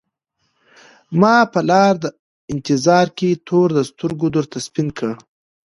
ما په لار د انتظار کي تور د سترګو درته سپین کړل